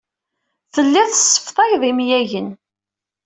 Telliḍ tesseftayeḍ imyagen.